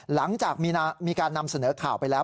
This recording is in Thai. หลังจากมีการนำเสนอข่าวไปแล้ว